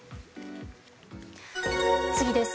次です。